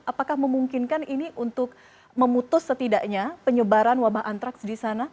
apakah memungkinkan ini untuk memutus setidaknya penyebaran wabah antraks di sana